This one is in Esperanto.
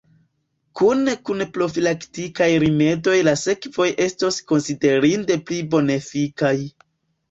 Kune kun profilaktikaj rimedoj la sekvoj estos konsiderinde pli bonefikaj.